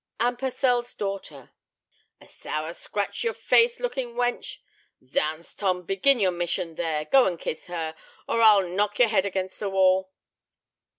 "Anne Purcell's daughter." "A sour, scratch your face looking wench! Zounds, Tom, begin your mission there! Go and kiss her, or I'll knock your head against the wall."